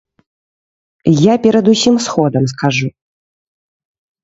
Я перад усім сходам скажу.